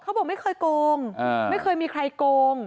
บอกไม่เคยโกงไม่เคยมีใครโกง